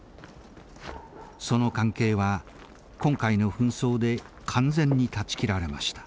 その関係は今回の紛争で完全に断ち切られました。